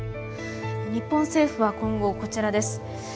日本政府は今後こちらです。